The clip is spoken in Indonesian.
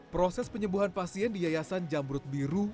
proses penyembuhan pasien di yayasan jamrut biru